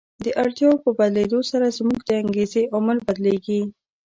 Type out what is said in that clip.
د اړتیاوو په بدلېدو سره زموږ د انګېزې عامل بدلیږي.